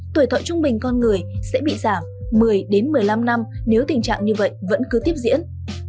tuổi thọ trung bình con người sẽ bị giảm một mươi một mươi năm năm nếu tình trạng như vậy vẫn cứ tiếp diễn